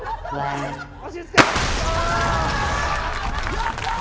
やったー！